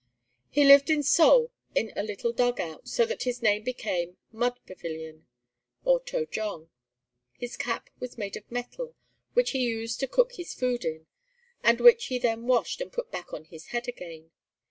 He lived in Seoul in a little dug out, so that his name became "Mud Pavilion," or To jong. His cap was made of metal, which he used to cook his food in, and which he then washed and put back on his head again.